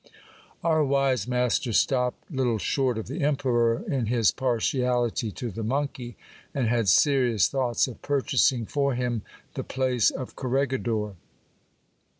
Our wise master stop ped little short of the emperor in his partiality to the monkey ; and had serious thoughts of purchasing for him the place of corregidor.